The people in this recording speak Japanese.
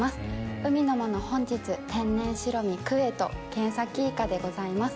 海のもの、本日、天然白身、クエと剣先イカでございます。